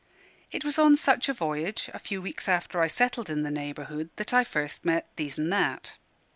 It was on such a voyage, a few weeks after I settled in the neighbourhood, that I first met These an' That.